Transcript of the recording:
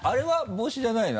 帽子じゃないの？